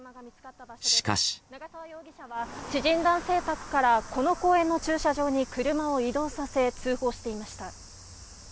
長沢容疑者は知人男性宅からこの公園の駐車場に車を移動させ通報していました。